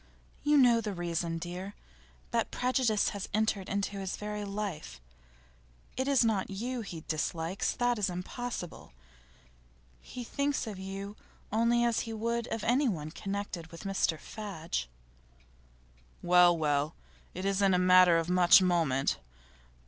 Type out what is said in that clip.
'You know the reason, dear. That prejudice has entered into his very life. It is not you he dislikes; that is impossible. He thinks of you only as he would of anyone connected with Mr Fadge.' 'Well, well; it isn't a matter of much moment.